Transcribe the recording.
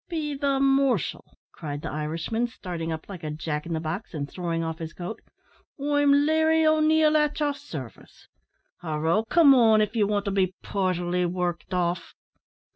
"Be the mortial," cried the Irishman, starting up like a Jack in the box, and throwing off his coat, "I'm Larry O'Neil, at yer sarvice. Hooroo! come on, av' ye want to be purtily worked off."